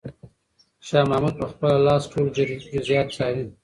شاه محمود په خپله لاس ټول جزئیات څاري.